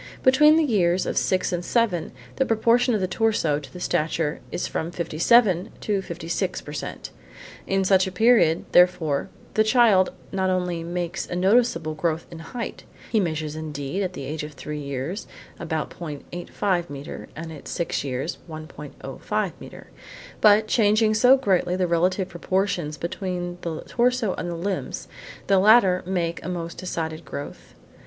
Between the years of six and seven the proportion of the torso to the stature is from 57 to 56 per cent. In such a period therefore the child not only makes a noticeable growth in height, (he measures indeed at the age of three years about 0.85 metre and at six years 1.05 metres) but, changing so greatly the relative proportions between the torso and the limbs, the latter make a most decided growth.